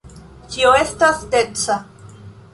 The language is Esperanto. Ĉio estas deca.